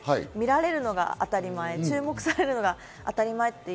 見られるのが当たり前、注目されるのが当たり前。